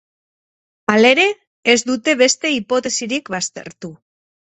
Halere, ez dute beste hipotesirik baztertu.